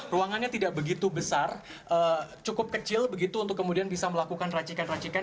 ruangannya tidak begitu besar cukup kecil begitu untuk kemudian bisa melakukan racikan racikan